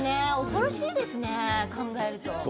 恐ろしいですね、考えると。